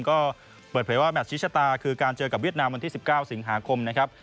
ก็เปิดเผยว่าแมทชี้ชะตาคือการเจอกับเวียดนามวันที่๑๙สิงหาคมนะครับ